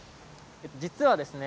実はですね